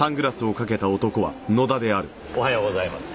おはようございます。